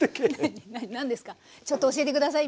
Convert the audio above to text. ちょっと教えて下さい。